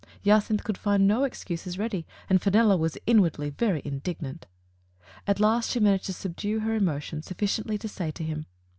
Jacynth could find no excuses ready, and Fenella was in wardly very indignant. At last she managed to subdue her emotion sufficiently to say to him: Digitized by Google F. C.